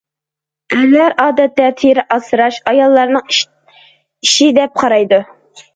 ئەرلەر ئادەتتە تېرە ئاسراش ئاياللارنىڭ ئىشى دەپ قارايدۇ.